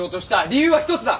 理由は１つだ！